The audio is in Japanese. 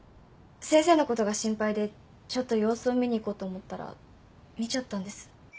先生のことが心配でちょっと様子を見に行こうと思ったら見ちゃったんです。